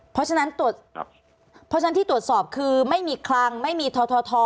เพราะฉะนั้นที่ตรวจสอบคือไม่มีคลังไม่มีทท